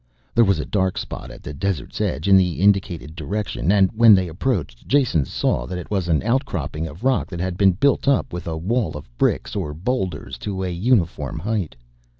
There was a dark spot at the desert's edge in the indicated direction and when they approached Jason saw that it was an outcropping of rock that had been built up with a wall of bricks or boulders to a uniform height.